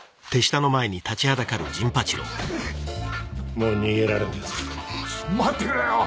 もう逃げられねぇぞ待ってくれよ